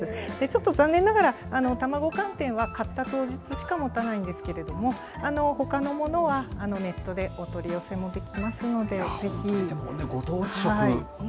ちょっと残念ながら、卵寒天は、買った当日しかもたないんですけども、ほかのものはネットでお取り寄せもできますので、ぜひ。